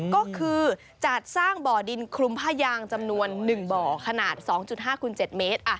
ก็คือจัดสร้างบ่อดินคลุมผ้ายางจำนวน๑บ่อขนาด๒๕คูณ๗เมตร